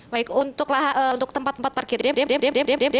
baik untuk tempat tempat parkirnya